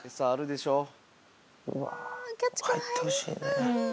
入ってほしいね。